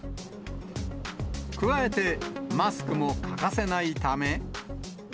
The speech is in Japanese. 加えて、マスクも欠かせないため。